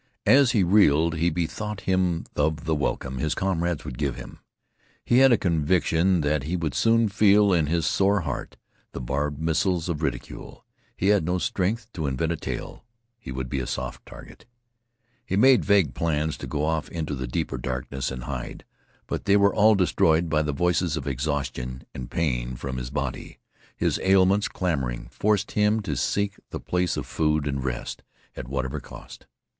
As he reeled, he bethought him of the welcome his comrades would give him. He had a conviction that he would soon feel in his sore heart the barbed missiles of ridicule. He had no strength to invent a tale; he would be a soft target. He made vague plans to go off into the deeper darkness and hide, but they were all destroyed by the voices of exhaustion and pain from his body. His ailments, clamoring, forced him to seek the place of food and rest, at whatever cost.